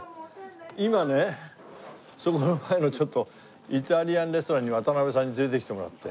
今ねそこの前のちょっとイタリアンレストランに渡辺さんに連れてきてもらって。